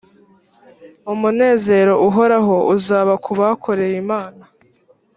umunezero uhoraho uzaba ku bakoreye imana